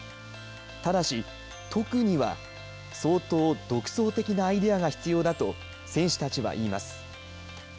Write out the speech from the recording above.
ただし解くには相当独創的なアイデアが必要だと選手たちは言います。